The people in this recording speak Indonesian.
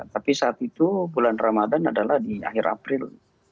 tapi saat itu bulan ramadan adalah di akhir april